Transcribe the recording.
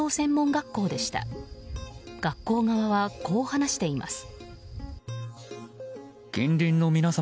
学校側は、こう話しています。